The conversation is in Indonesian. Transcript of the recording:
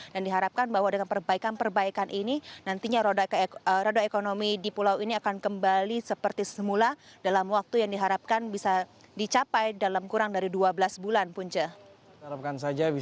dan diharapkan bahwa dengan perbaikan perbaikan ini nantinya roda ekonomi di pulau ini akan kembali seperti semula dalam waktu yang diharapkan bisa dicapai dalam kurang dari dua belas bulan punca